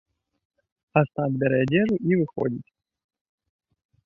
Астап бярэ адзежу і выходзіць.